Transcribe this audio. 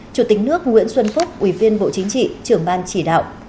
chủ tịch nước nguyễn xuân phúc ủy viên bộ chính trị trưởng ban chỉ đạo